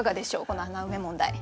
この穴埋め問題。